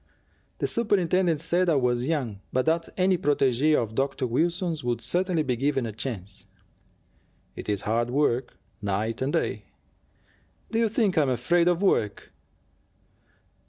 "The superintendent said I was young, but that any protegee of Dr. Wilson's would certainly be given a chance." "It is hard work, night and day." "Do you think I am afraid of work?"